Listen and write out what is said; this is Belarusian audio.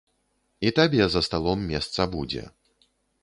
І табе за сталом месца будзе.